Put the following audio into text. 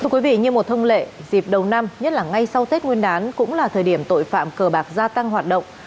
thưa quý vị như một thông lệ dịp đầu năm nhất là ngay sau tết nguyên đán cũng là thời điểm tội phạm cờ bạc gia tăng hoạt động